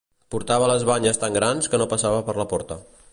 Portava les banyes tan grans que no passava per la porta